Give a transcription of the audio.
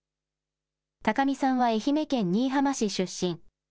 高見さんは愛媛県新居浜市出身。